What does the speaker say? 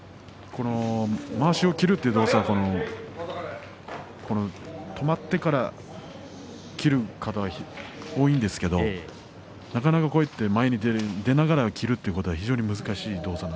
まわしを切るという動作は止まってから切る方が多いんですけれども前に出ながら切るというのは非常に難しい。